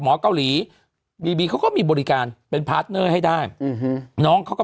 หมอเกาหลีบีบีเขาก็มีบริการเป็นให้ได้อืมน้องเขาก็